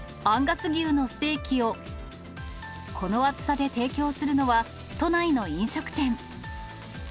アンガス牛のステーキをこの厚さで提供するのは、都内の飲食店。